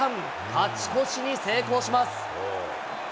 勝ち越しに成功します。